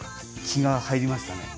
気が入りました。